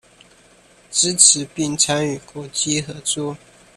支持並參與國際合作